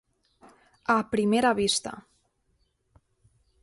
A primera vista.